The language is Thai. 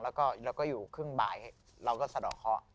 แล้วก็อยู่ครึ่งบ่ายเราก็สะดอกคอกัน